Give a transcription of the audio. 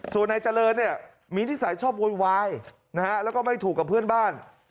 ส่วนนายเจริญเนี่ยมีนิสัยชอบโวยวายนะฮะแล้วก็ไม่ถูกกับเพื่อนบ้าน